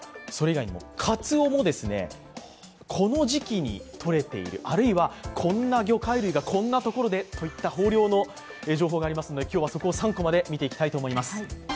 それ以外にも、かつおもこの時期にとれているあるいはこんな魚介類がこんなところで？といった豊漁の情報がありますので今日はそこを「３コマ」で見ていきたいと思います。